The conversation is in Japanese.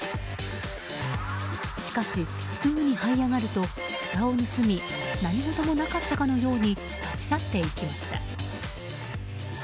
しかし、すぐにはい上がるとふたを盗み何事もなかったかのように立ち去っていきました。